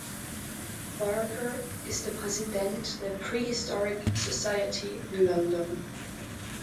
Barker ist Präsident der Prehistoric Society in London.